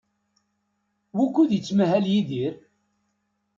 Wukud yettmahal Yidir?